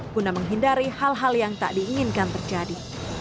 guna menghindari hal hal yang tak diinginkan terjadi